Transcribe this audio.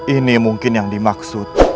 ini mungkin yang dimaksud